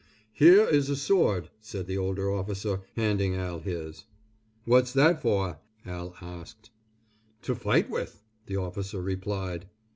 "Here is a sword," said the older officer handing Al his. "What's that for?" Al asked. "To fight with," the officer replied.